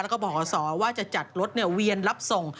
แล้วก็บอกขอสอว่าจะจัดรถเวียนรับส่ง